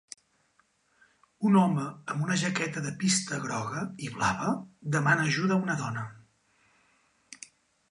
Un home amb una jaqueta de pista groga i blava demana ajuda a una dona.